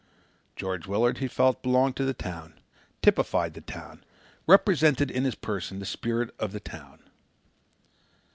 George Willard, he felt, belonged to the town, typified the town, represented in his person the spirit of the town.